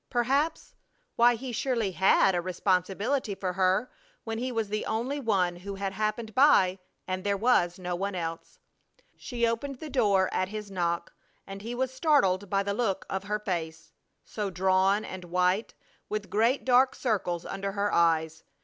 Perhaps Why, he surely had a responsibility for her when he was the only one who had happened by and there was no one else! She opened the door at his knock and he was startled by the look of her face, so drawn and white, with great dark circles under her eyes.